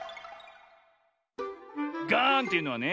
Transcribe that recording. ガーンというのはね